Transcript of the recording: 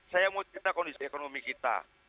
saya mau cerita kondisi ekonomi kita